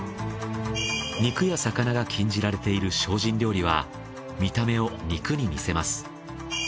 肉や魚が禁じられている精進料理は見た目を肉に似せます。